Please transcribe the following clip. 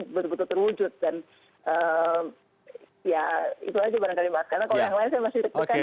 karena kalau yang lain saya masih tetap kaya